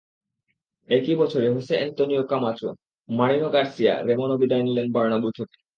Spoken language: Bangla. একই বছরে হোসে আন্তোনিতও কামাচো, মারিনো গার্সিয়া রেমনও বিদায় নিলেন বার্নাব্যু থেকে।